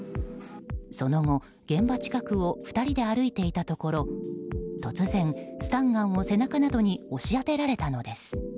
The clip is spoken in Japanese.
その後、現場近くを２人で歩いていたところ突然、スタンガンを背中などに押し当てられたのです。